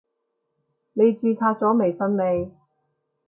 你註冊咗微信未？